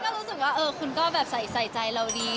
ก็รู้สึกว่าเอ๊ะคุณก็ใส่ใจเรารัวดี